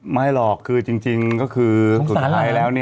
ไม่หรอกจริงก็คือ